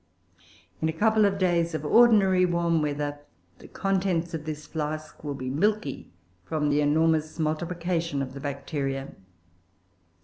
In a couple of days of ordinary warm weather the contents of this flask will be milky from the enormous multiplication of Bacteria.